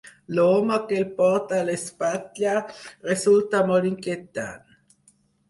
L'home que el porta a l'espatlla resulta molt inquietant.